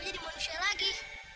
jadi manusia lagi